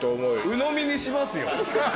うのみにしますよ。